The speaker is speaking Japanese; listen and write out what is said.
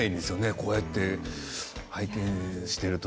こうやって拝見していると。